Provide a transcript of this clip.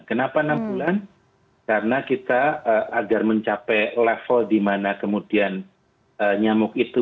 kenapa enam bulan karena kita agar mencapai level di mana kemudian nyamuk itu